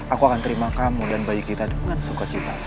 aku akan terima kamu dan bayi kita dengan sukacita